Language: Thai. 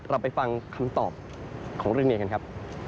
เราไปฟังคำตอบของเรื่องนี้กันครับ